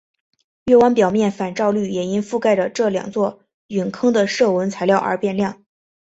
月湾表面反照率也因覆盖着这两座陨坑的射纹材料而变亮。